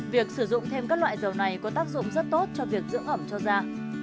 việc sử dụng thêm các loại dầu này có tác dụng rất tốt cho việc dưỡng ẩm cho da